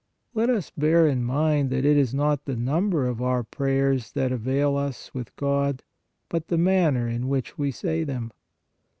Let us bear in mind that it is not the number of our prayers that avail us with God, but the manner in which we say them.